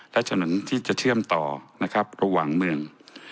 และถนนที่จะเชื่อมต่อนะครับระหว่างเมือง